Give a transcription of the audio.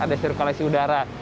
ada sirkulasi udara